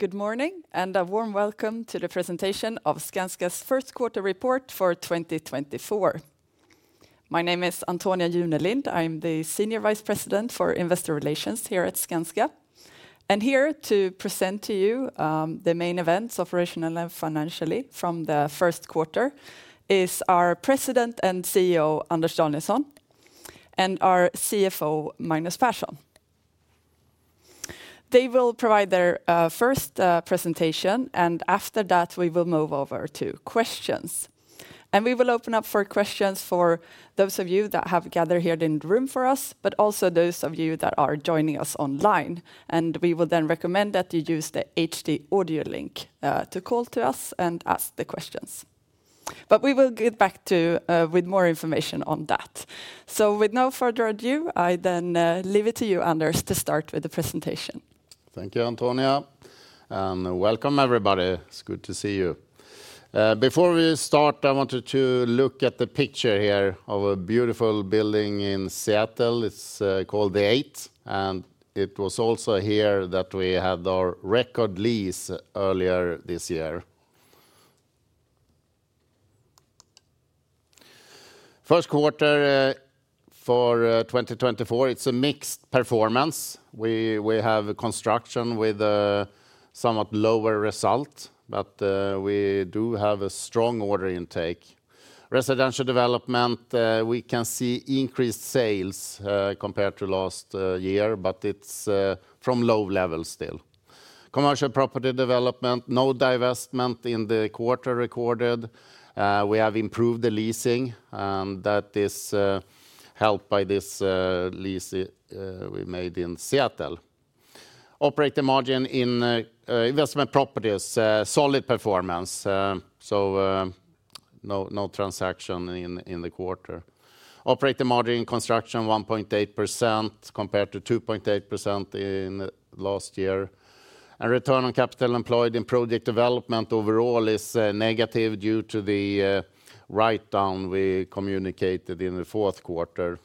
Good morning, and a warm welcome to the presentation of Skanska's first quarter report for 2024. My name is Antonia Junelind. I'm the Senior Vice President for Investor Relations here at Skanska. And here to present to you, the main events, operational and financially, from the first quarter, is our President and CEO, Anders Danielsson, and our CFO, Magnus Persson. They will provide their first presentation, and after that, we will move over to questions. And we will open up for questions for those of you that have gathered here in the room for us, but also those of you that are joining us online. And we will then recommend that you use the HD audio link to call to us and ask the questions. But we will get back to with more information on that. With no further ado, I then leave it to you, Anders, to start with the presentation. Thank you, Antonia, and welcome, everybody. It's good to see you. Before we start, I wanted to look at the picture here of a beautiful building in Seattle. It's called The Eight, and it was also here that we had our record lease earlier this year. First quarter for 2024, it's a mixed performance. We have a construction with a somewhat lower result, but we do have a strong order intake. Residential development, we can see increased sales compared to last year, but it's from low levels still. Commercial property development, no divestment in the quarter recorded. We have improved the leasing, and that is helped by this lease we made in Seattle. Operating margin in investment properties, solid performance, so no transaction in the quarter. Operating margin in construction 1.8% compared to 2.8% in the last year. Return on capital employed in project development overall is negative due to the write-down we communicated in the fourth quarter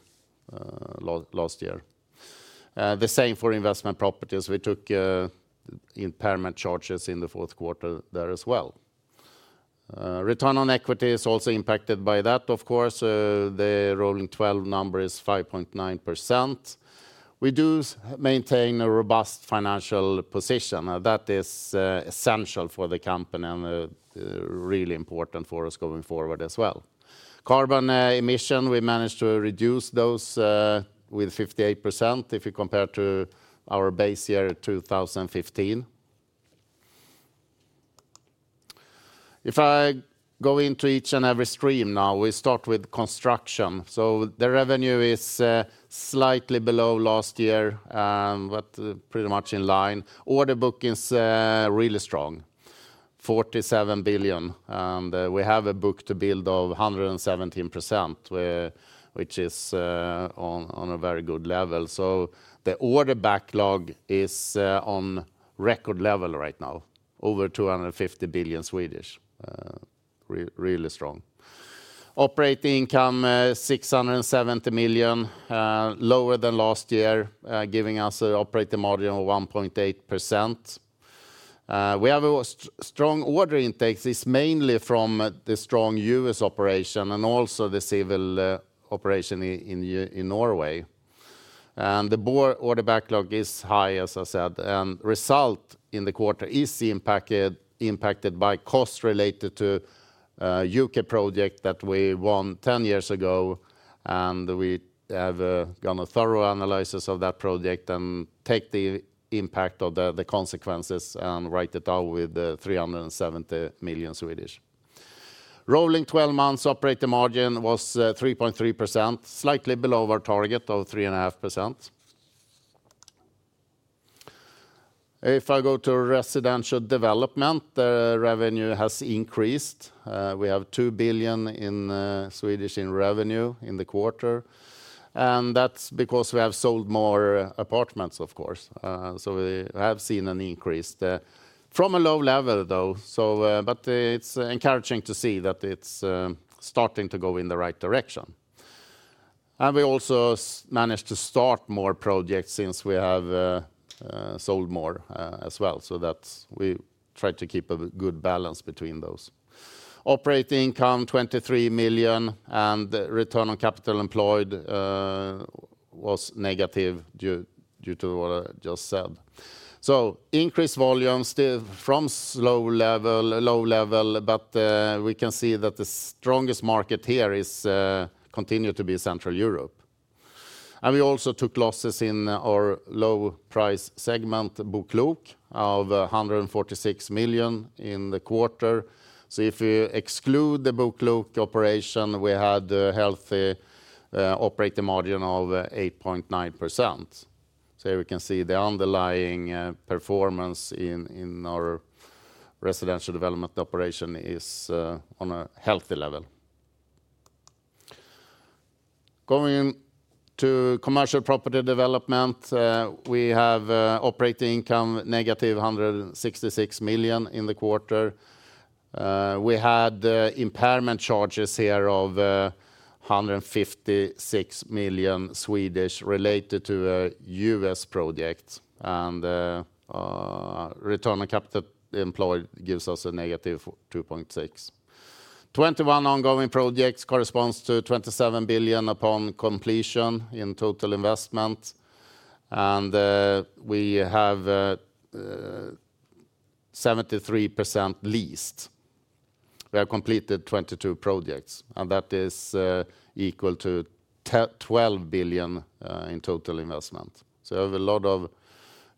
last year. The same for investment properties. We took impairment charges in the fourth quarter there as well. Return on equity is also impacted by that, of course. The rolling 12 number is 5.9%. We do maintain a robust financial position. That is essential for the company and really important for us going forward as well. Carbon emissions, we managed to reduce those with 58%, if you compare to our base year, 2015. If I go into each and every stream now, we start with construction. The revenue is slightly below last year, but pretty much in line. Order book is really strong, 47 billion, and we have a book-to-build of 117%, which is on a very good level. So the order backlog is on record level right now, over 250 billion. Really strong. Operating income 670 million, lower than last year, giving us a operating margin of 1.8%. We have strong order intakes. It's mainly from the strong US operation and also the civil operation in Norway. And the order backlog is high, as I said. Result in the quarter is impacted by costs related to a UK project that we won 10 years ago, and we have done a thorough analysis of that project and take the impact of the consequences and write it off with 370 million. Rolling 12 months operating margin was 3.3%, slightly below our target of 3.5%. If I go to residential development, the revenue has increased. We have 2 billion in revenue in the quarter, and that's because we have sold more apartments, of course. So we have seen an increase there from a low level, though, so, but, it's encouraging to see that it's starting to go in the right direction. And we also managed to start more projects since we have sold more, as well, so that's we try to keep a good balance between those. Operating income, 23 million, and the return on capital employed was negative due to what I just said. So increased volumes still from slow level-low level, but we can see that the strongest market here is continue to be Central Europe. And we also took losses in our low price segment, BoKlok, of 146 million in the quarter. So if we exclude the BoKlok operation, we had a healthy operating margin of 8.9%. So we can see the underlying performance in our residential development operation is on a healthy level. Going to commercial property development, we have operating income negative 166 million in the quarter. We had impairment charges here of 156 million related to US projects. And return on capital employed gives us a negative 2.6. 21 ongoing projects corresponds to 27 billion upon completion in total investment. And we have 73% leased. We have completed 22 projects, and that is equal to 12 billion in total investment. So we have a lot of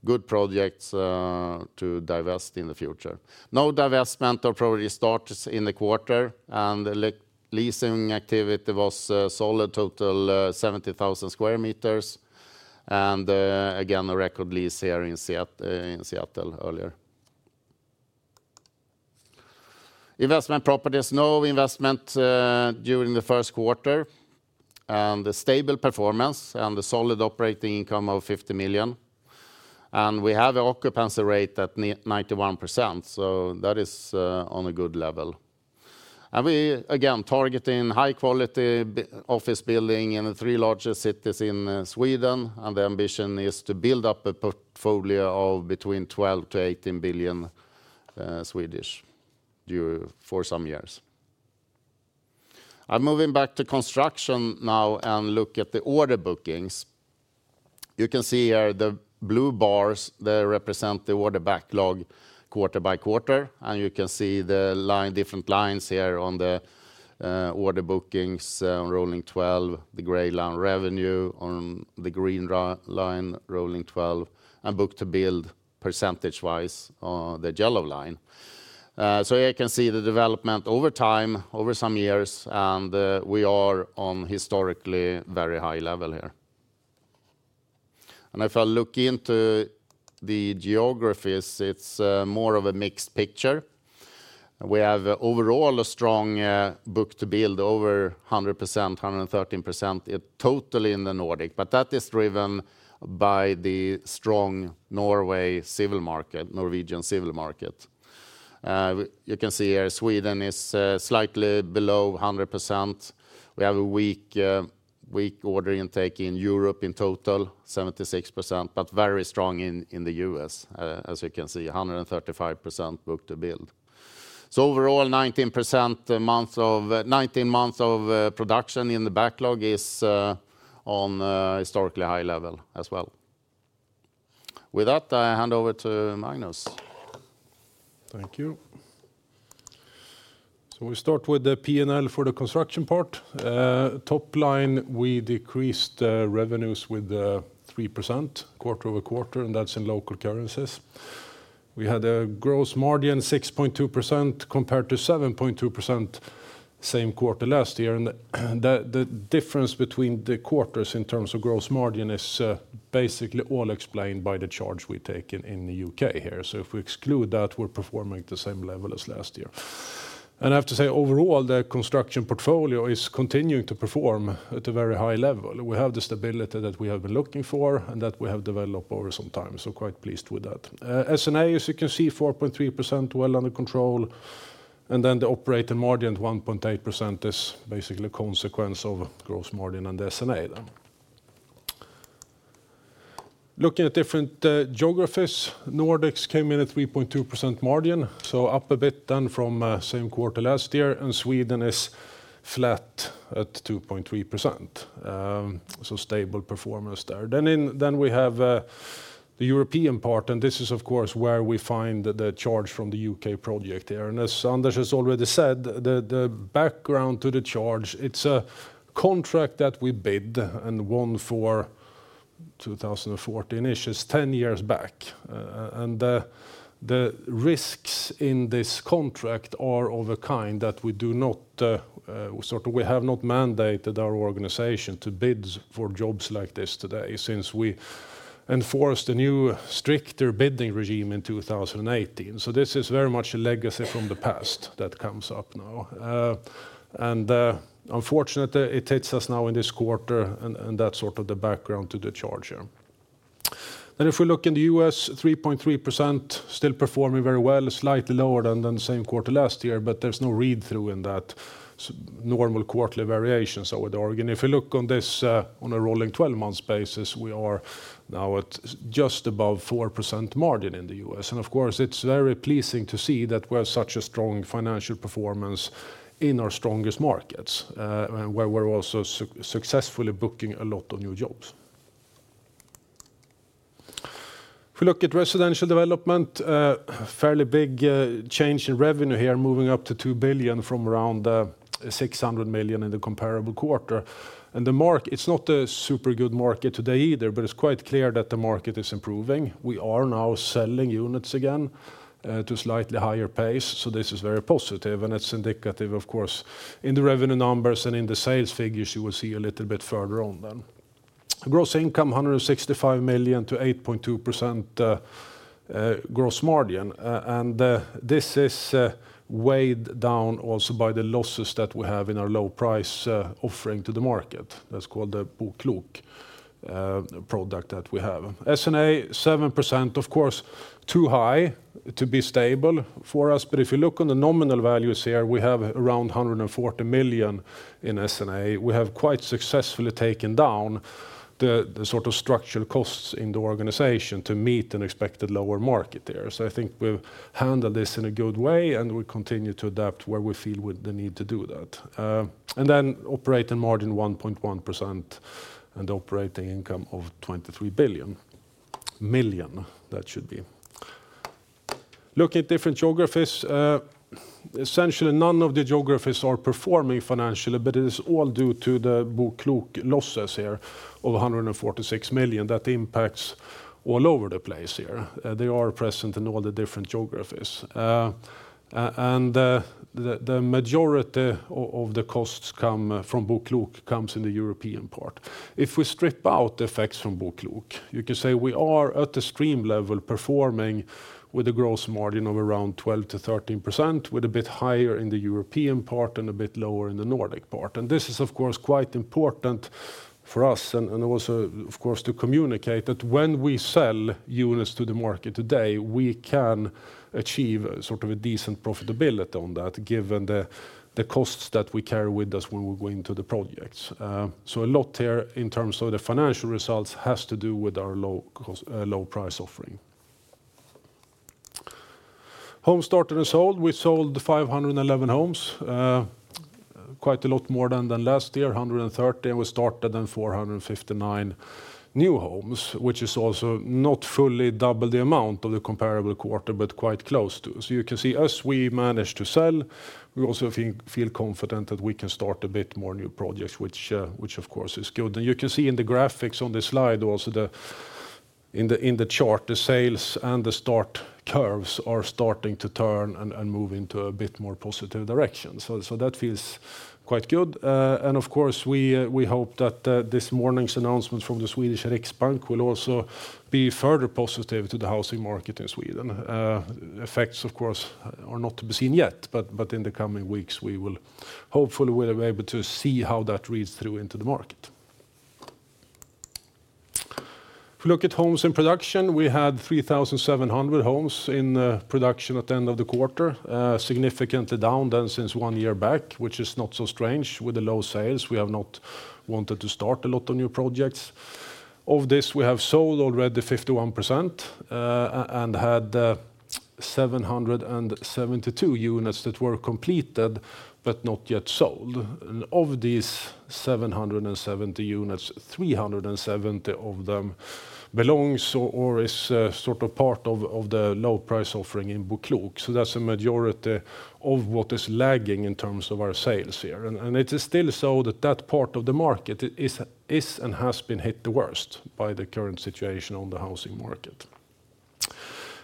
good projects to divest in the future. No divestment or project starts in the quarter, and leasing activity was solid, total 70,000 square meters. And again, a record lease here in Seattle earlier. Investment properties, no investment during the first quarter, and a stable performance, and a solid operating income of 50 million. And we have an occupancy rate at 91%, so that is on a good level. And we again targeting high-quality office building in the three largest cities in Sweden, and the ambition is to build up a portfolio of between 12 to 18 billion for some years. I'm moving back to construction now and look at the order bookings. You can see here the blue bars, they represent the order backlog quarter-by-quarter, and you can see the line, different lines here on the order bookings, rolling 12, the gray line revenue on the green line, rolling 12, and book to build percentage-wise, the yellow line. So you can see the development over time, over some years, and we are on historically very high level here. And if I look into the geographies, it's more of a mixed picture. We have overall a strong book to build, over 100%, 113% in total in the Nordic. But that is driven by the strong Norway civil market, Norwegian civil market. You can see here, Sweden is slightly below 100%. We have a weak, weak order intake in Europe in total, 76%, but very strong in the U.S., as you can see, 135% book to build. So overall, 19 months of production in the backlog is on historically high level as well. With that, I hand over to Magnus. Thank you. So we start with the P&L for the construction part. Top line, we decreased revenues with 3% quarter-over-quarter, and that's in local currencies. We had a gross margin 6.2% compared to 7.2% same quarter last year. And the difference between the quarters in terms of gross margin is basically all explained by the charge we take in the UK here. So if we exclude that, we're performing at the same level as last year. And I have to say, overall, the construction portfolio is continuing to perform at a very high level. We have the stability that we have been looking for, and that we have developed over some time, so quite pleased with that. S&A, as you can see, 4.3%, well under control. And then the operating margin at 1.8% is basically a consequence of gross margin and S&A then. Looking at different geographies, Nordics came in at 3.2% margin, so up a bit then from same quarter last year, and Sweden is flat at 2.3%. So stable performance there. Then we have the European part, and this is of course where we find the charge from the UK project here. And as Anders has already said, the background to the charge, it's a contract that we bid and won for 2014 issues, 10 years back. The risks in this contract are of a kind that we do not sort of we have not mandated our organization to bid for jobs like this today, since we enforced a new, stricter bidding regime in 2018. So this is very much a legacy from the past that comes up now. Unfortunately, it hits us now in this quarter, and that's sort of the background to the charge here. Then if we look in the US, 3.3%, still performing very well, slightly lower than the same quarter last year, but there's no read-through in that normal quarterly variations over the horizon. If you look on this, on a rolling 12-month basis, we are now at just above 4% margin in the US. Of course, it's very pleasing to see that we have such a strong financial performance in our strongest markets, and where we're also successfully booking a lot of new jobs. If we look at residential development, a fairly big change in revenue here, moving up to 2 billion from around 600 million in the comparable quarter. And the market. It's not a super good market today either, but it's quite clear that the market is improving. We are now selling units again to slightly higher pace, so this is very positive, and it's indicative, of course, in the revenue numbers and in the sales figures you will see a little bit further on then. Gross income 165 million to 8.2%, gross margin. And this is weighed down also by the losses that we have in our low-price offering to the market. That's called the BoKlok product that we have. S&A, 7%, of course, too high to be stable for us. But if you look on the nominal values here, we have around 140 million in S&A. We have quite successfully taken down the sort of structural costs in the organization to meet an expected lower market there. So I think we've handled this in a good way, and we continue to adapt where we feel the need to do that. And then operating margin 1.1% and operating income of 23 million, that should be. Looking at different geographies, essentially, none of the geographies are performing financially, but it is all due to the BoKlok losses here of 146 million. That impacts all over the place here. They are present in all the different geographies. And the majority of the costs from BoKlok comes in the European part. If we strip out the effects from BoKlok, you can say we are at the stream level, performing with a gross margin of around 12%-13%, with a bit higher in the European part and a bit lower in the Nordic part. This is, of course, quite important for us, and also, of course, to communicate that when we sell units to the market today, we can achieve sort of a decent profitability on that, given the costs that we carry with us when we go into the projects. So a lot here in terms of the financial results has to do with our low cost, low price offering. Homes started and sold. We sold 511 homes, quite a lot more than last year, 130, and we started then 459 new homes, which is also not fully double the amount of the comparable quarter, but quite close to. So you can see, as we managed to sell, we also feel confident that we can start a bit more new projects, which of course is good. And you can see in the graphics on this slide, also the in the chart, the sales and the start curves are starting to turn and move into a bit more positive direction. So that feels quite good. And of course, we hope that this morning's announcement from the Swedish Riksbank will also be further positive to the housing market in Sweden. Effects, of course, are not to be seen yet, but in the coming weeks, we will hopefully be able to see how that reads through into the market. If you look at homes in production, we had 3,700 homes in production at the end of the quarter, significantly down than since one year back, which is not so strange. With the low sales, we have not wanted to start a lot of new projects. Of this, we have sold already 51%, and had 772 units that were completed, but not yet sold. Of these 770 units, 370 of them belongs or, is, sort of part of, of the low-price offering in BoKlok. So that's a majority of what is lagging in terms of our sales here. It is still so that, that part of the market is, is, and has been hit the worst by the current situation on the housing market.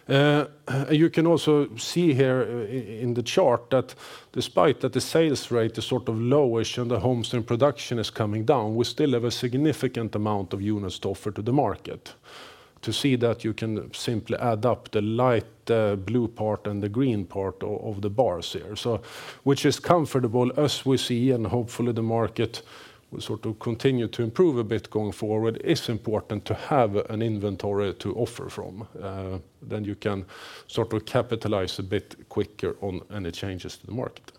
You can also see here in the chart, that despite that the sales rate is sort of low-ish and the homes and production is coming down, we still have a significant amount of units to offer to the market. To see that, you can simply add up the light blue part and the green part of the bars here. So which is comfortable as we see, and hopefully, the market will sort of continue to improve a bit going forward, it's important to have an inventory to offer from. Then you can sort of capitalize a bit quicker on any changes to the market.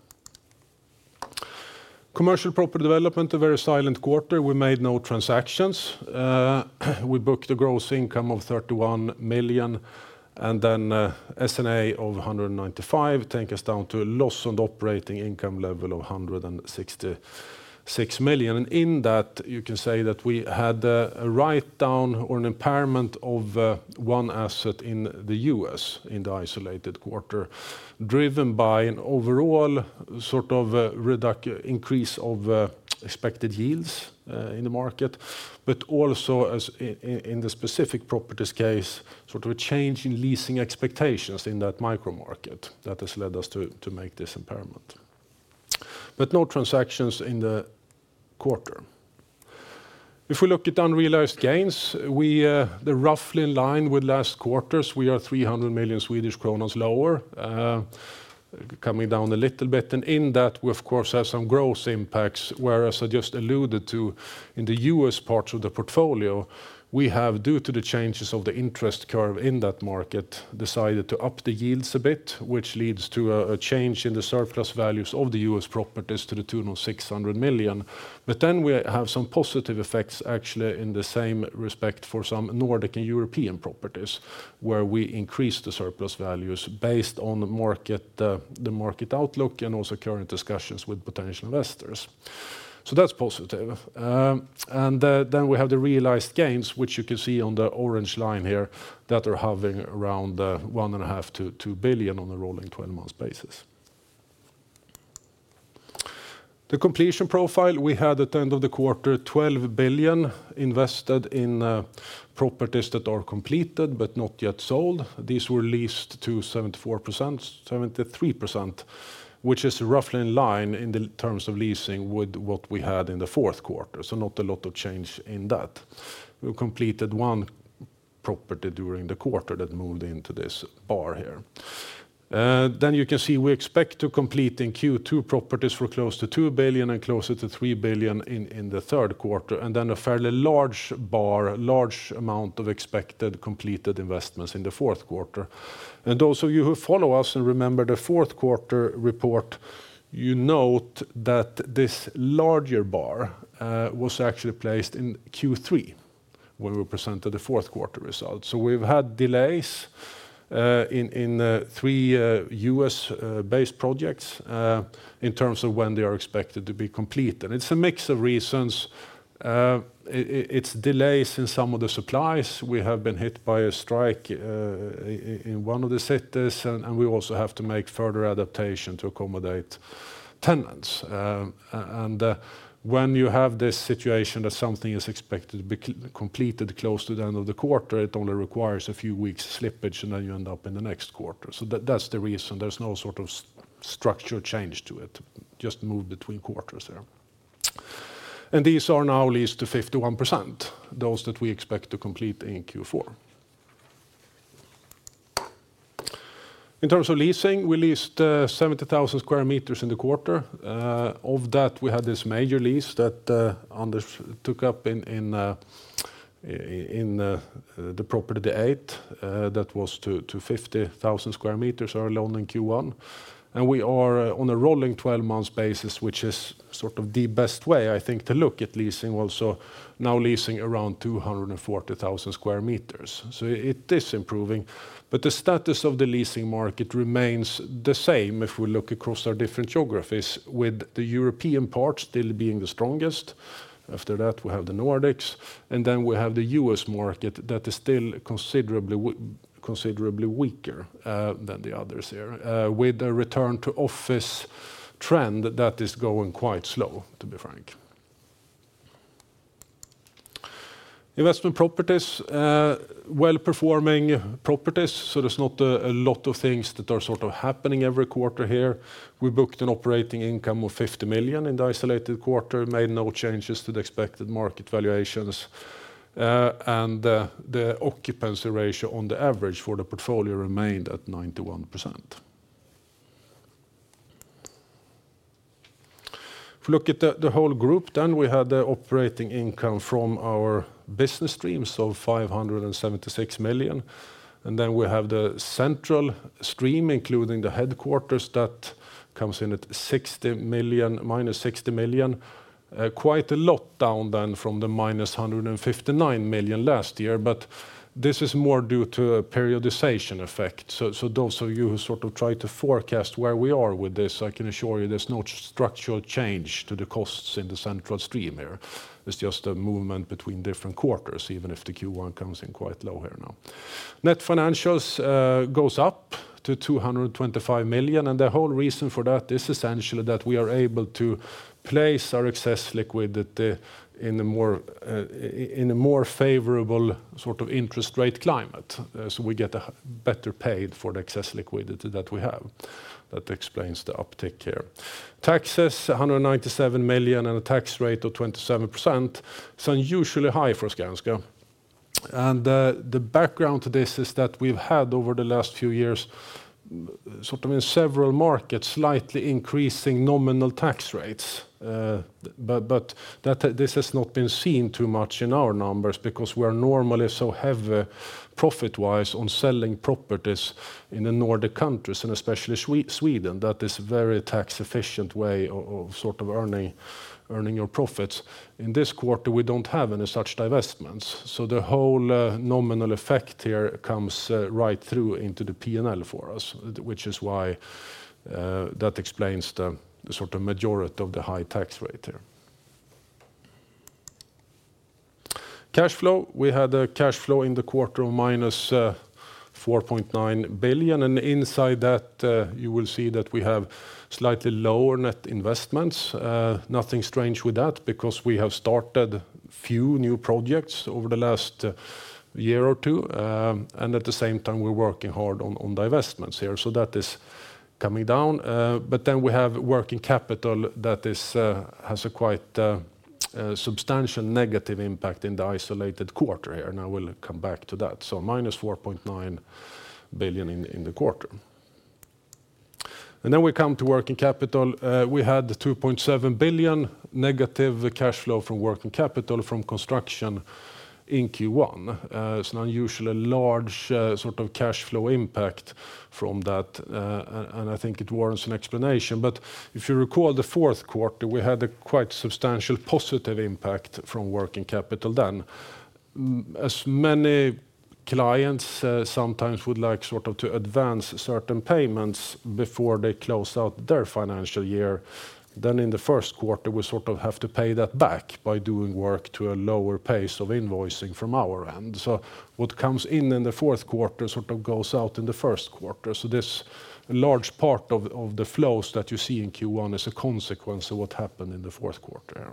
Commercial property development, a very silent quarter. We made no transactions. We booked a gross income of 31 million, and then S&A of 195 million, take us down to a loss on operating income level of 166 million. In that, you can say that we had a write-down or an impairment of one asset in the U.S. in the isolated quarter, driven by an overall sort of increase of expected yields in the market, but also in the specific properties case, sort of a change in leasing expectations in that micro market that has led us to make this impairment. No transactions in the quarter. If we look at unrealized gains, they're roughly in line with last quarters. We are 300 million lower, coming down a little bit. In that, we, of course, have some gross impacts, whereas I just alluded to in the US parts of the portfolio, we have, due to the changes of the interest curve in that market, decided to up the yields a bit, which leads to a change in the surplus values of the US properties to the tune of 600 million. But then we have some positive effects, actually, in the same respect for some Nordic and European properties, where we increase the surplus values based on the market, the market outlook and also current discussions with potential investors. So that's positive. Then we have the realized gains, which you can see on the orange line here, that are hovering around 1.5 billion-2 billion on a rolling 12-month basis. The completion profile we had at the end of the quarter, 12 billion invested in properties that are completed but not yet sold. These were leased to 74%-73%, which is roughly in line in the terms of leasing with what we had in the fourth quarter, so not a lot of change in that. We completed one property during the quarter that moved into this bar here. Then you can see we expect to complete in Q2 properties for close to 2 billion and closer to 3 billion in the third quarter, and then a fairly large bar, large amount of expected completed investments in the fourth quarter. And those of you who follow us and remember the fourth quarter report, you note that this larger bar was actually placed in Q3, when we presented the fourth quarter results. So we've had delays in three U.S.-based projects in terms of when they are expected to be complete. And it's a mix of reasons. It's delays in some of the supplies. We have been hit by a strike in one of the cities, and we also have to make further adaptation to accommodate tenants. And when you have this situation that something is expected to be completed close to the end of the quarter, it only requires a few weeks slippage, and then you end up in the next quarter. So that's the reason. There's no sort of structure change to it, just move between quarters there. And these are now leased to 51%, those that we expect to complete in Q4. In terms of leasing, we leased 70,000 square meters in the quarter. Of that, we had this major lease that took up in the property, The Eight, that was to 50,000 sq m alone in Q1. And we are on a rolling 12-month basis, which is sort of the best way, I think, to look at leasing. Also, now leasing around 240,000 sq m. So it is improving, but the status of the leasing market remains the same if we look across our different geographies, with the European part still being the strongest. After that, we have the Nordics, and then we have the U.S. market that is still considerably weaker than the others here. With a return to office trend, that is going quite slow, to be frank. Investment properties, well-performing properties, so there's not a lot of things that are sort of happening every quarter here. We booked an operating income of 50 million in the isolated quarter, made no changes to the expected market valuations. And the occupancy ratio on the average for the portfolio remained at 91%. If we look at the whole group, then we had the operating income from our business stream, so 576 million. And then we have the central stream, including the headquarters, that comes in at 60 million, minus 60 million. Quite a lot down then from the minus 159 million last year, but this is more due to a periodization effect. So, so those of you who sort of try to forecast where we are with this, I can assure you there's no structural change to the costs in the central stream here. It's just a movement between different quarters, even if the Q1 comes in quite low here now. Net financials goes up to 225 million, and the whole reason for that is essentially that we are able to place our excess liquidity in a more in a more favorable sort of interest rate climate. So we get a better paid for the excess liquidity that we have. That explains the uptick here. Taxes, 197 million, and a tax rate of 27%, it's unusually high for Skanska. The background to this is that we've had, over the last few years, sort of in several markets, slightly increasing nominal tax rates. But this has not been seen too much in our numbers because we are normally so heavy, profit-wise, on selling properties in the Nordic countries, and especially Sweden, that is a very tax-efficient way of sort of earning your profits. In this quarter, we don't have any such divestments, so the whole nominal effect here comes right through into the P&L for us, which is why that explains the sort of majority of the high tax rate here. Cash flow. We had a cash flow in the quarter of -4.9 billion, and inside that, you will see that we have slightly lower net investments. Nothing strange with that because we have started few new projects over the last year or two. And at the same time, we're working hard on divestments here. So that is coming down. But then we have working capital that has a quite substantial negative impact in the isolated quarter here, and I will come back to that. So -4.9 billion in the quarter. And then we come to working capital. We had 2.7 billion negative cash flow from working capital from construction in Q1. It's an unusually large sort of cash flow impact from that, and I think it warrants an explanation. But if you recall the fourth quarter, we had a quite substantial positive impact from working capital then. As many clients sometimes would like sort of to advance certain payments before they close out their financial year, then in the first quarter, we sort of have to pay that back by doing work to a lower pace of invoicing from our end. So what comes in in the fourth quarter sort of goes out in the first quarter. So this large part of the flows that you see in Q1 is a consequence of what happened in the fourth quarter.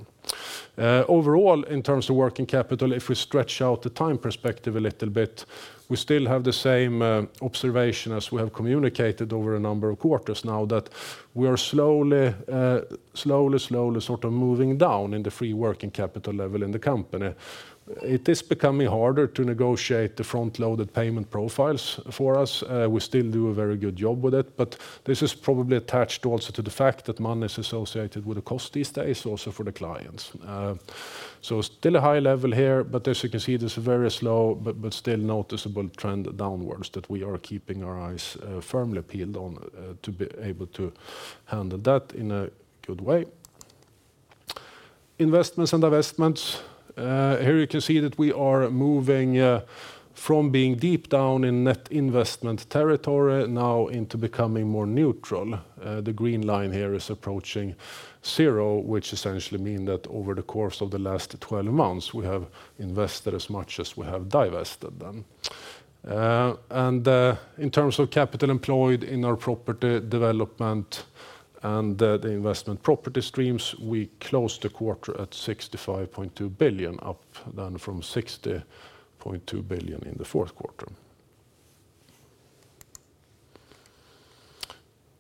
Overall, in terms of working capital, if we stretch out the time perspective a little bit, we still have the same observation as we have communicated over a number of quarters now, that we are slowly slowly slowly sort of moving down in the free working capital level in the company. It is becoming harder to negotiate the front-loaded payment profiles for us. We still do a very good job with it, but this is probably attached also to the fact that money is associated with a cost these days also for the clients. So still a high level here, but as you can see, there's a very slow but still noticeable trend downwards that we are keeping our eyes firmly peeled on, to be able to handle that in a good way. Investments and divestments. Here you can see that we are moving from being deep down in net investment territory now into becoming more neutral. The green line here is approaching zero, which essentially mean that over the course of the last 12 months, we have invested as much as we have divested then. And, in terms of capital employed in our property development and, the investment property streams, we closed the quarter at 65.2 billion, up then from 60.2 billion in the fourth quarter.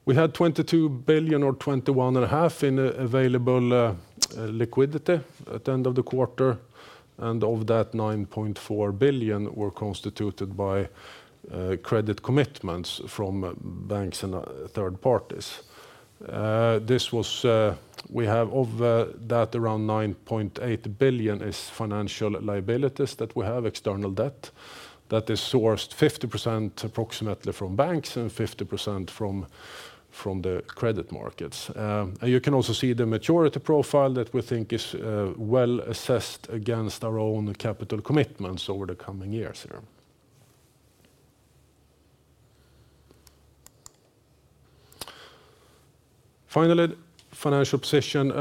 We had 22 billion or 21.5 billion in available liquidity at the end of the quarter, and of that, 9.4 billion were constituted by credit commitments from banks and third parties. This was, we have of that around 9.8 billion is financial liabilities that we have, external debt, that is sourced approximately 50% from banks and 50% from the credit markets. And you can also see the maturity profile that we think is well assessed against our own capital commitments over the coming years here. Finally, financial position.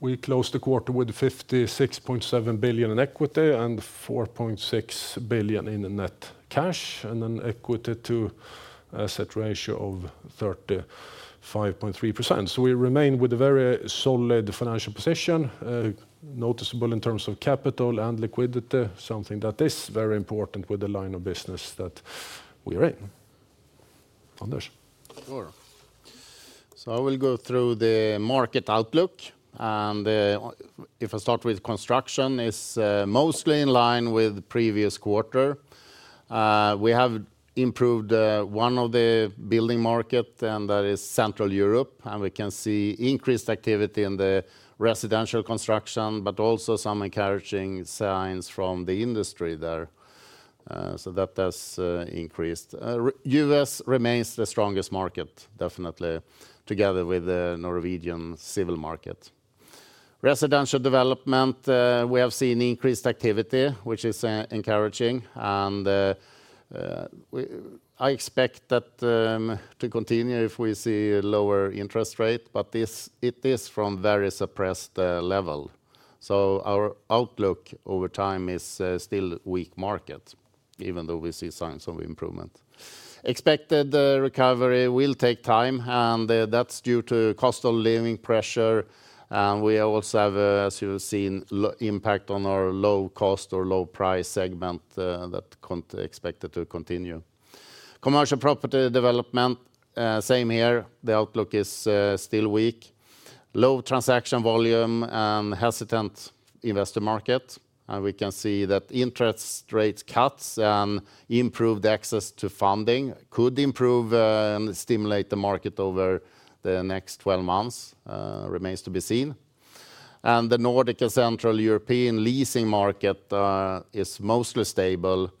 We closed the quarter with 56.7 billion in equity and 4.6 billion in net cash, and an equity to asset ratio of 35.3%. So we remain with a very solid financial position, noticeable in terms of capital and liquidity, something that is very important with the line of business that we are in. Anders? Sure. So I will go through the market outlook, and, if I start with construction, it's, mostly in line with the previous quarter. We have improved, one of the building market, and that is Central Europe, and we can see increased activity in the residential construction, but also some encouraging signs from the industry there. So that has, increased. U.S. remains the strongest market, definitely, together with the Norwegian civil market. Residential development, we have seen increased activity, which is, encouraging, and, I expect that, to continue if we see a lower interest rate, but this, it is from very suppressed, level. So our outlook over time is, still weak market, even though we see signs of improvement. Expected, recovery will take time, and, that's due to cost-of-living pressure. And we also have, as you have seen, low impact on our low-cost or low-price segment, that expected to continue. Commercial property development, same here. The outlook is, still weak. Low transaction volume and hesitant investor market, and we can see that interest rate cuts and improved access to funding could improve, and stimulate the market over the next 12 months, remains to be seen. And the Nordic and Central European leasing market, is mostly stable,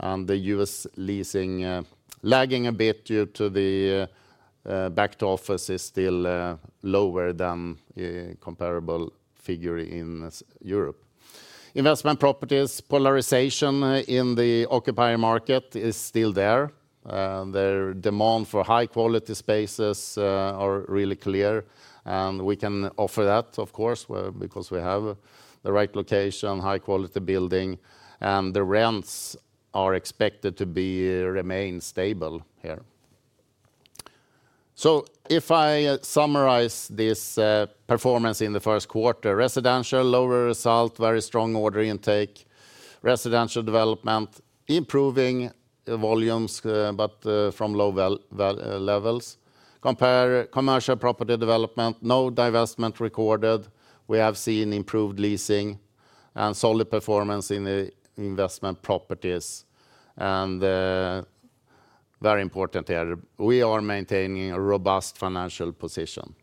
and the U.S. leasing, lagging a bit due to the, back to office is still, lower than a comparable figure in Scandinavian Europe. Investment properties, polarization in the occupier market is still there. The demand for high-quality spaces are really clear, and we can offer that, of course, well, because we have the right location, high-quality building, and the rents are expected to be remain stable here. So if I summarize this, performance in the first quarter, residential, lower result, very strong order intake. Residential development, improving volumes, but, from low valuation levels. Compared to commercial property development, no divestment recorded. We have seen improved leasing and solid performance in the investment properties. And, very important here, we are maintaining a robust financial position.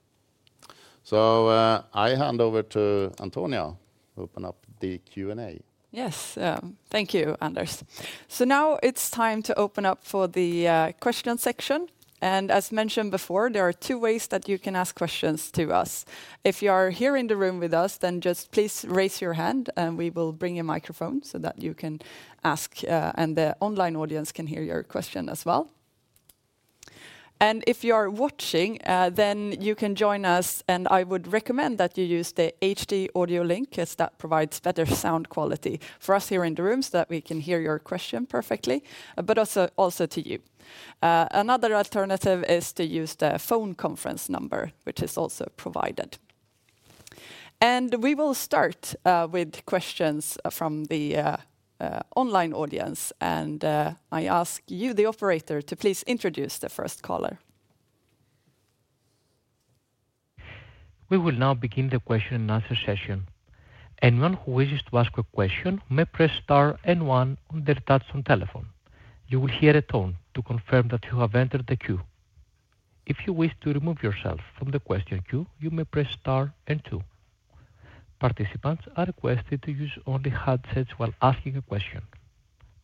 So, I hand over to Antonia to open up the Q&A. Yes, thank you, Anders. So now it's time to open up for the question section. And as mentioned before, there are two ways that you can ask questions to us. If you are here in the room with us, then just please raise your hand, and we will bring you a microphone so that you can ask, and the online audience can hear your question as well. And if you are watching, then you can join us, and I would recommend that you use the HD audio link, as that provides better sound quality for us here in the room so that we can hear your question perfectly, but also to you. Another alternative is to use the phone conference number, which is also provided. We will start with questions from the online audience, and I ask you, the operator, to please introduce the first caller. We will now begin the question and answer session. Anyone who wishes to ask a question may press star and one on their touch tone telephone. You will hear a tone to confirm that you have entered the queue. If you wish to remove yourself from the question queue, you may press star and two. Participants are requested to use only handsets while asking a question.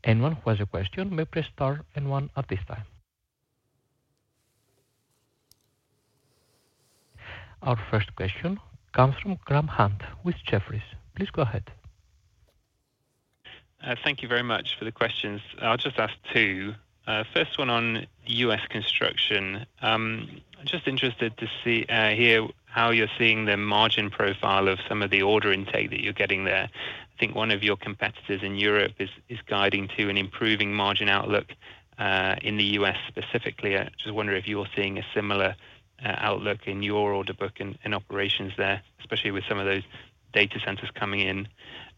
Anyone who has a question may press star and one at this time. Our first question comes from Graham Hunt with Jefferies. Please go ahead. Thank you very much for the questions. I'll just ask two. First one on U.S. construction. Just interested to see, hear how you're seeing the margin profile of some of the order intake that you're getting there. I think one of your competitors in Europe is guiding to an improving margin outlook in the U.S. specifically. I just wonder if you are seeing a similar outlook in your order book and operations there, especially with some of those data centers coming in.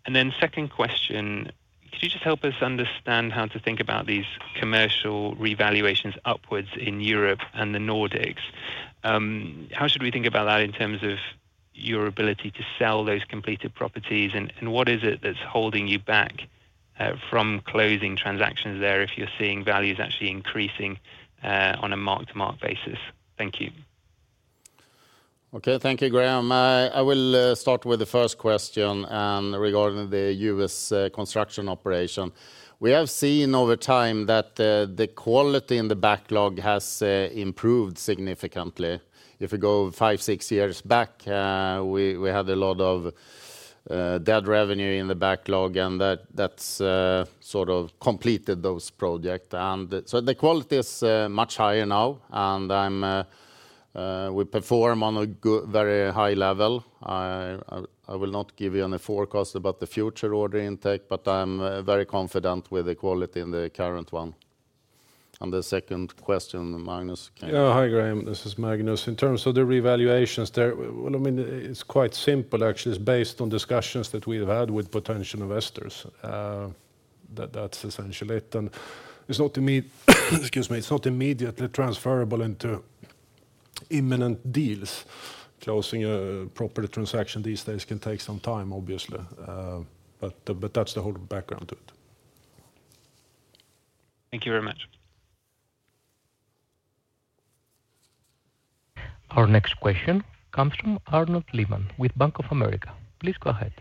And then second question: Could you just help us understand how to think about these commercial revaluations upwards in Europe and the Nordics? How should we think about that in terms of your ability to sell those completed properties, and what is it that's holding you back from closing transactions there if you're seeing values actually increasing on a mark-to-market basis? Thank you. Okay, thank you, Graham. I will start with the first question regarding the U.S. construction operation. We have seen over time that the quality in the backlog has improved significantly. If we go five, six years back, we had a lot of dead revenue in the backlog, and that's sort of completed those projects. And so the quality is much higher now, and we perform on a good, very high level. I will not give you any forecast about the future order intake, but I'm very confident with the quality in the current one. On the second question, Magnus? Yeah. Hi, Graham. This is Magnus. In terms of the revaluations there, well, I mean, it's quite simple, actually. It's based on discussions that we've had with potential investors. That's essentially it, and it's not to me, excuse me, it's not immediately transferable into imminent deals. Closing a property transaction these days can take some time, obviously, but that's the whole background to it. Thank you very much. Our next question comes from Arnaud Lehmann with Bank of America. Please go ahead.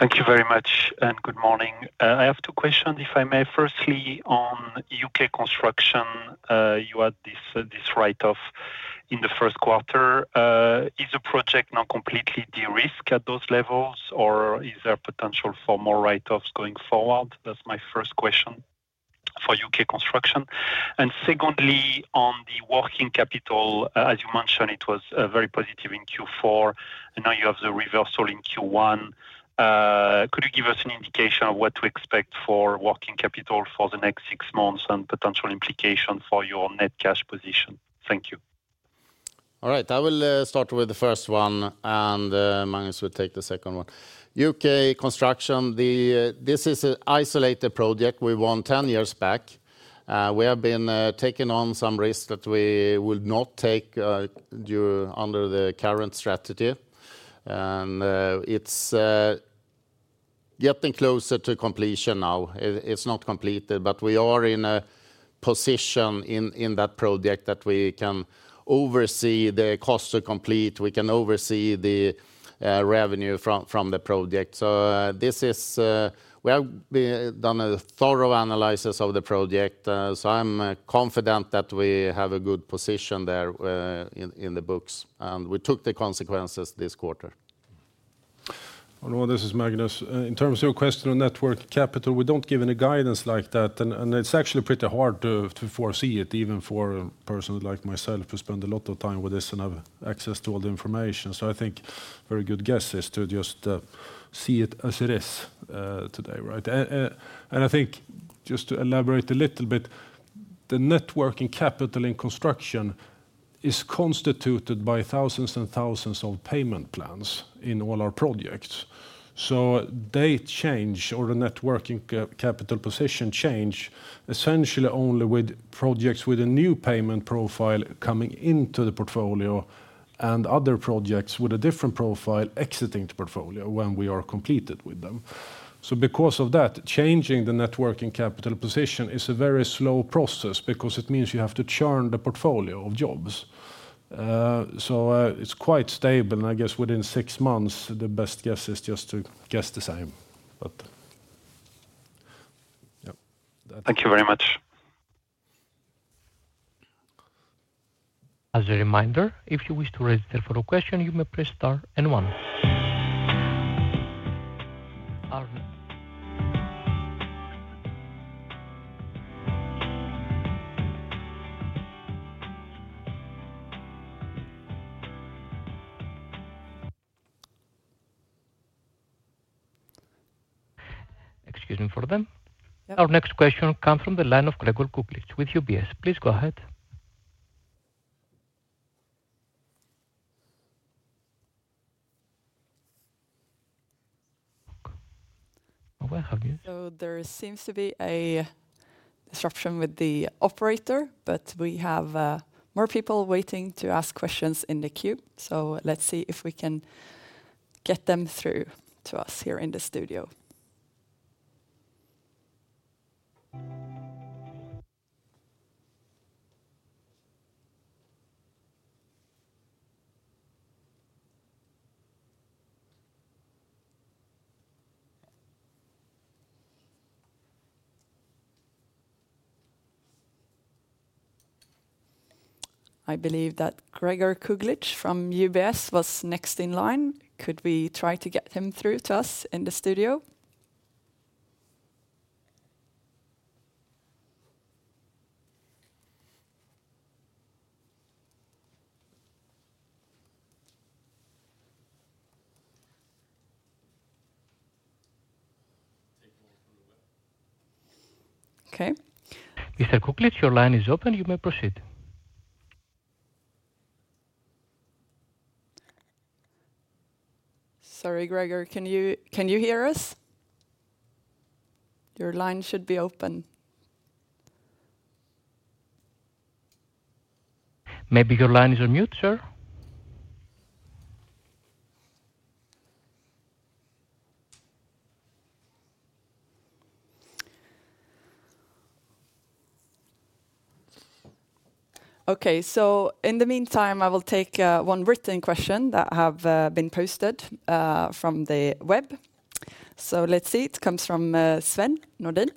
Thank you very much, and good morning. I have two questions, if I may. Firstly, on UK construction, you had this, this write-off in the first quarter. Is the project now completely de-risked at those levels, or is there potential for more write-offs going forward? That's my first question for UK construction. And secondly, on the working capital, as you mentioned, it was very positive in Q4, and now you have the reversal in Q1. Could you give us an indication of what to expect for working capital for the next six months and potential implication for your net cash position? Thank you. All right, I will start with the first one, and Magnus will take the second one. U.K. construction, this is an isolated project we won 10 years back. We have been taking on some risks that we would not take due under the current strategy. And it's getting closer to completion now. It's not completed, but we are in a position in that project that we can oversee the costs to complete; we can oversee the revenue from the project. So, this is we have done a thorough analysis of the project, so I'm confident that we have a good position there in the books, and we took the consequences this quarter. Well, this is Magnus. In terms of your question on net working capital, we don't give any guidance like that, and it's actually pretty hard to foresee it, even for a person like myself, who spend a lot of time with this and have access to all the information. So I think a very good guess is to just see it as it is today, right? And I think, just to elaborate a little bit, the net working capital in construction is constituted by thousands and thousands of payment plans in all our projects. So they change or the net working capital position change essentially only with projects with a new payment profile coming into the portfolio and other projects with a different profile exiting the portfolio when we are completed with them. So because of that, changing the net working capital position is a very slow process because it means you have to churn the portfolio of jobs. It's quite stable, and I guess within six months, the best guess is just to guess the same, but, yep. Thank you very much. As a reminder, if you wish to register for a question, you may press star and one. Excuse me for that. Our next question comes from the line of Gregor Kuglitsch with UBS. Please go ahead. Well, have you. There seems to be a disruption with the operator, but we have more people waiting to ask questions in the queue, so let's see if we can get them through to us here in the studio. I believe that Gregor Kuglitsch from UBS was next in line. Could we try to get him through to us in the studio? Okay. Mr. Kuglitsch, your line is open. You may proceed. Sorry, Gregor, can you, can you hear us? Your line should be open. Maybe your line is on mute, sir. Okay, so in the meantime, I will take one written question that have been posted from the web. Let's see. It comes from Sven Nordin.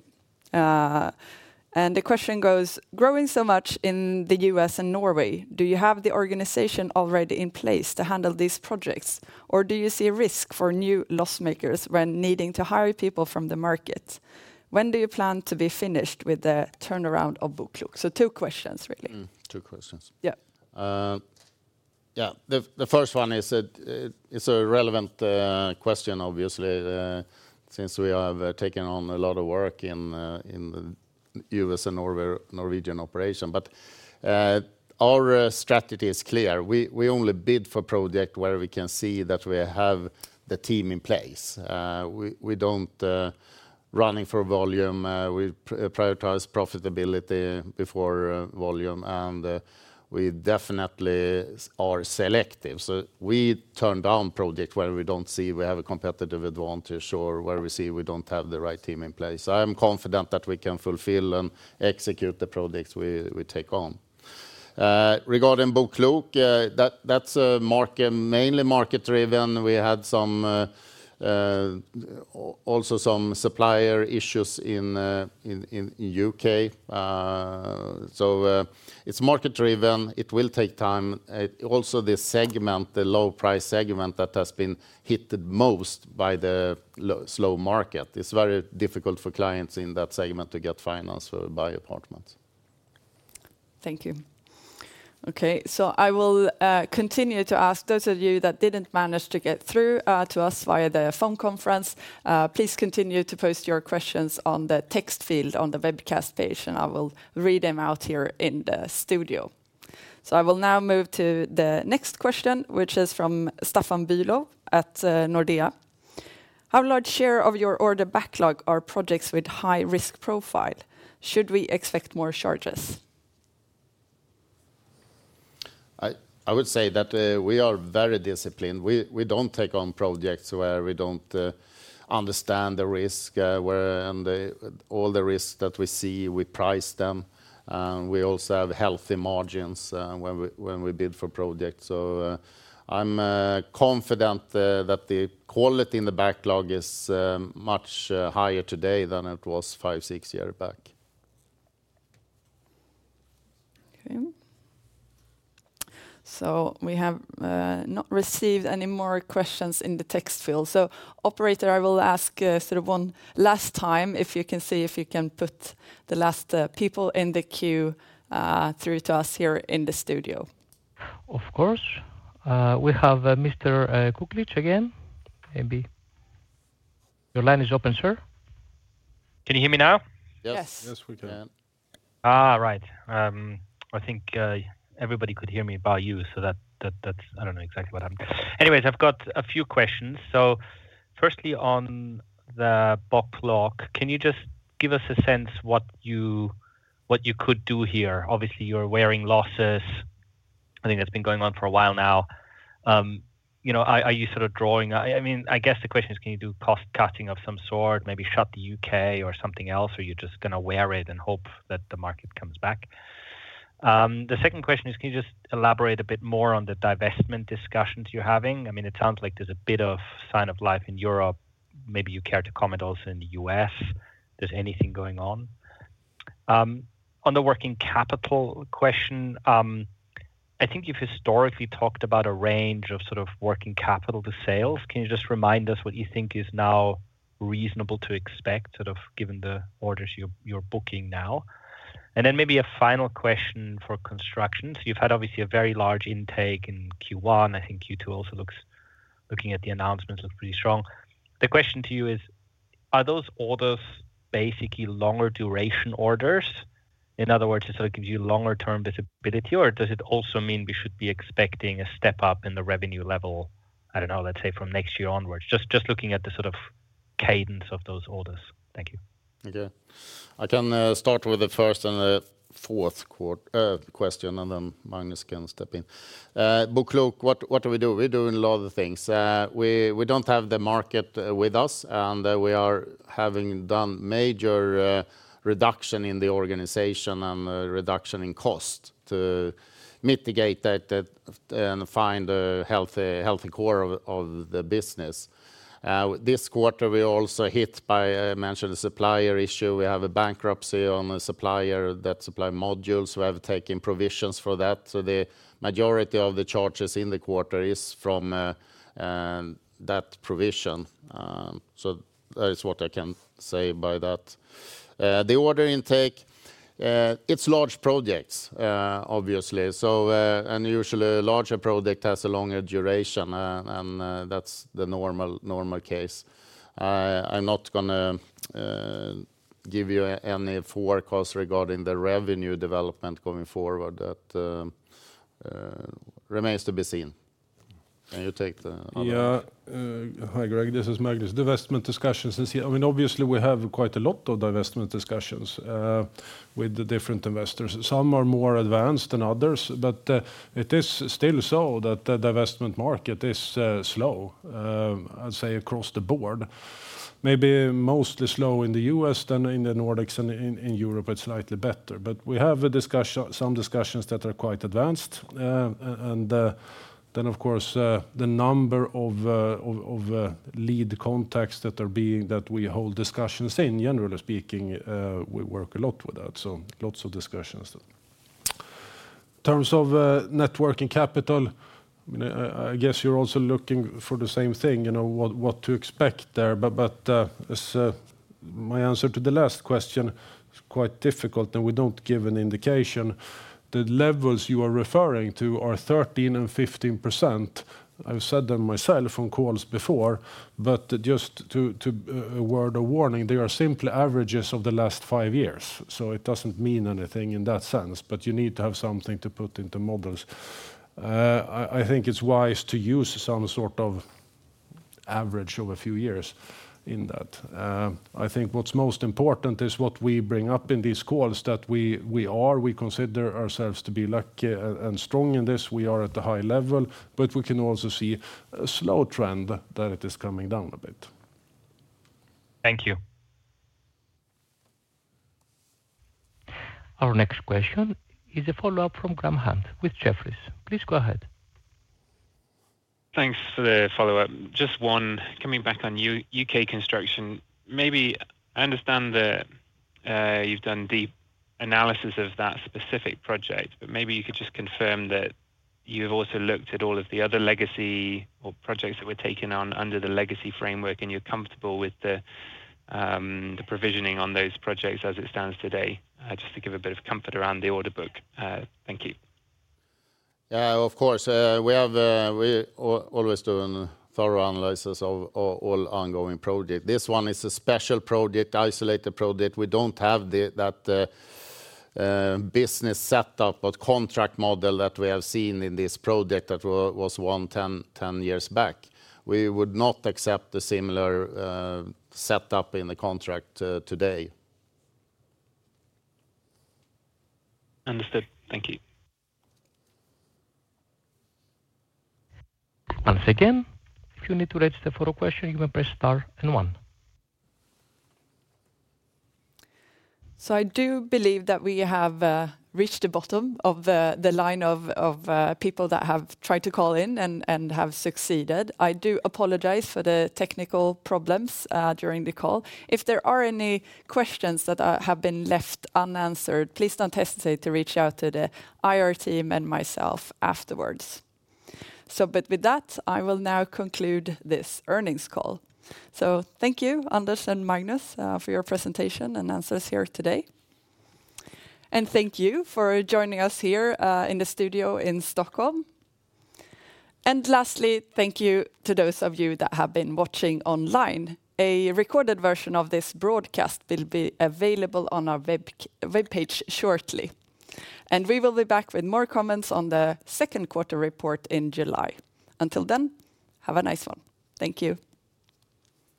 And the question goes: "Growing so much in the US and Norway, do you have the organization already in place to handle these projects, or do you see a risk for new loss-makers when needing to hire people from the market? When do you plan to be finished with the turnaround of BoKlok?" Two questions, really. Mm, two questions. Yeah. Yeah. The first one is, it's a relevant question, obviously, since we have taken on a lot of work in the US and Norwegian operation. But our strategy is clear. We only bid for project where we can see that we have the team in place. We don't running for volume. We prioritize profitability before volume, and we definitely are selective. So we turn down project where we don't see we have a competitive advantage or where we see we don't have the right team in place. I'm confident that we can fulfill and execute the projects we take on. Regarding BoKlok, that's mainly market-driven. We had some also some supplier issues in UK. So, it's market-driven. It will take time. Also, this segment, the low price segment that has been hit the most by the slow market. It's very difficult for clients in that segment to get finance for buy apartments. Thank you. Okay, so I will continue to ask those of you that didn't manage to get through to us via the phone conference, please continue to post your questions on the text field on the webcast page, and I will read them out here in the studio. So I will now move to the next question, which is from Stefan Bülow at Nordea: How large share of your order backlog are projects with high risk profile? Should we expect more charges? I would say that we are very disciplined. We don't take on projects where we don't understand the risk, and all the risks that we see, we price them. And we also have healthy margins when we bid for projects. So I'm confident that the quality in the backlog is much higher today than it was five, six years back. Okay. So we have not received any more questions in the text field. So operator, I will ask sort of one last time, if you can see if you can put the last people in the queue through to us here in the studio. Of course. We have Mr. Kuglitsch again, maybe. Your line is open, sir. Can you hear me now? Yes. Yes, we can. Ah, right. I think everybody could hear me but you, so that's. I don't know exactly what happened. Anyways, I've got a few questions. So firstly, on the BoKlok, can you just give us a sense what you could do here? Obviously, you're wearing losses. I think that's been going on for a while now. You know, are you sort of drawing, I mean, I guess the question is: Can you do cost cutting of some sort, maybe shut the UK or something else, or you're just gonna wear it and hope that the market comes back? The second question is: Can you just elaborate a bit more on the divestment discussions you're having? I mean, it sounds like there's a bit of sign of life in Europe. Maybe you care to comment also in the U.S., if there's anything going on. On the working capital question, I think you've historically talked about a range of sort of working capital to sales. Can you just remind us what you think is now reasonable to expect, sort of, given the orders you're booking now? And then maybe a final question for construction. So you've had obviously a very large intake in Q1. I think Q2 also looks, looking at the announcements, looks pretty strong. The question to you is, are those orders basically longer duration orders? In other words, so it gives you longer term visibility, or does it also mean we should be expecting a step up in the revenue level, I don't know, let's say from next year onwards? Just looking at the sort of cadence of those orders. Thank you. Okay. I can start with the first and the fourth question, and then Magnus can step in. BoKlok, what do we do? We're doing a lot of things. We don't have the market with us, and we are having done major reduction in the organization and reduction in cost to mitigate that, and find a healthy core of the business. This quarter we also hit by, I mentioned the supplier issue. We have a bankruptcy on a supplier that supply modules. We have taken provisions for that, so the majority of the charges in the quarter is from that provision. So that is what I can say about that. The order intake, it's large projects, obviously. So, and usually a larger project has a longer duration, and, that's the normal, normal case. I'm not gonna give you any forecast regarding the revenue development going forward that remains to be seen. Can you take the other one? Yeah. Hi, Greg, this is Magnus. Divestment discussions, you see, I mean, obviously, we have quite a lot of divestment discussions with the different investors. Some are more advanced than others, but it is still so that the divestment market is slow, I'd say across the board. Maybe mostly slow in the U.S. than in the Nordics, and in Europe, it's slightly better. But we have some discussions that are quite advanced. And then, of course, the number of lead contacts that we hold discussions in, generally speaking, we work a lot with that, so lots of discussions. In terms of net working capital, I guess you're also looking for the same thing, you know, what to expect there. But as my answer to the last question, it's quite difficult, and we don't give an indication. The levels you are referring to are 13% and 15%. I've said them myself on calls before, but just to a word of warning, they are simply averages of the last five years. So it doesn't mean anything in that sense, but you need to have something to put into models. I think it's wise to use some sort of average of a few years in that. I think what's most important is what we bring up in these calls, that we consider ourselves to be lucky and strong in this. We are at the high level, but we can also see a slow trend that it is coming down a bit. Thank you. Our next question is a follow-up from Graham Hunt with Jefferies. Please go ahead. Thanks for the follow-up. Just one, coming back on U.K. construction. Maybe I understand that, you've done deep analysis of that specific project, but maybe you could just confirm that you've also looked at all of the other legacy or projects that were taken on under the legacy framework, and you're comfortable with the, the provisioning on those projects as it stands today, just to give a bit of comfort around the order book. Thank you. Of course, we have always doing thorough analysis of all ongoing project. This one is a special project, isolated project. We don't have the business set up or contract model that we have seen in this project that was won 10 years back. We would not accept the similar setup in the contract today. Understood. Thank you. Once again, if you need to register for a question, you may press star and one. So I do believe that we have reached the bottom of the line of people that have tried to call in and have succeeded. I do apologize for the technical problems during the call. If there are any questions that have been left unanswered, please don't hesitate to reach out to the IR team and myself afterwards. So but with that, I will now conclude this earnings call. So thank you, Anders and Magnus, for your presentation and answers here today. And thank you for joining us here in the studio in Stockholm. And lastly, thank you to those of you that have been watching online. A recorded version of this broadcast will be available on our web page shortly, and we will be back with more comments on the second quarter report in July. Until then, have a nice one. Thank you.